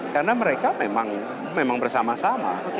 karena mereka memang bersama sama